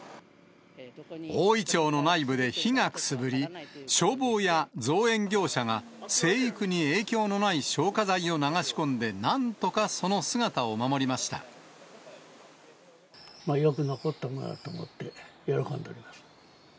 大イチョウの内部で火がくすぶり、消防や造園業者が生育に影響のない消火剤を流し込んでなんとかそよく残ったなと思って、喜んでます。